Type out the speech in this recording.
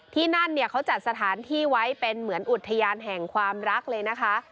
ที่นั่นเนี่ยเขาจัดสถานที่ไว้เป็นเหมือนอุทยานแห่งความรักเลยนะคะ